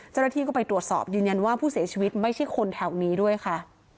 เจ้าหน้าที่ก็ไปตรวจสอบยืนยันว่าผู้เสียชีวิตไม่ใช่คนแถวนี้ด้วยค่ะ